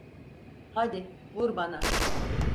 Hadi, vur bana.